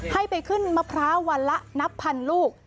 ให้ไปขึ้นมะพร้าววันละนับพันลูก